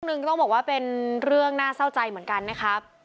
หนึ่งต้องบอกว่าเป็นเรื่องน่าเศร้าใจเหมือนกันนะครับ